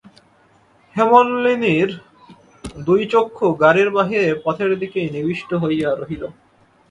হেমনলিনীর দুই চক্ষু গাড়ির বাহিরে পথের দিকেই নিবিষ্ট হইয়া রহিল।